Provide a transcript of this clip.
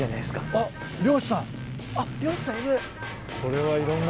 あっ漁師さんいる！